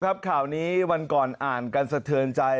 ข่าวนี้วันก่อนอ่านกันสะเทินใจ